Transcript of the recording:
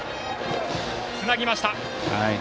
つなぎました。